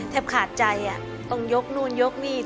ขาดใจต้องยกนู่นยกนี่